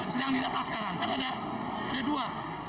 sedang didata sekarang kan ada dua